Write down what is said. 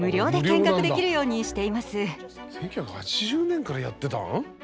１９８０年からやってたん？